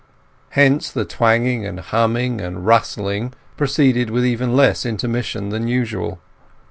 Hence the twanging and humming and rustling proceeded with even less intermission than usual.